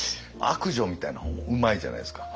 悪女みたいな方もうまいじゃないですか。